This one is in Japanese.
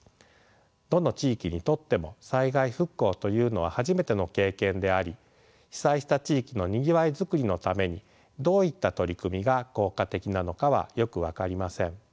どの地域にとっても災害復興というのは初めての経験であり被災した地域のにぎわいづくりのためにどういった取り組みが効果的なのかはよく分かりません。